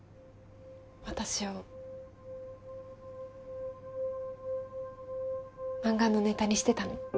私を漫画のネタにしてたの？